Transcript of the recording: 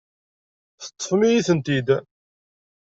Teṭṭfem-iyi-ten-id.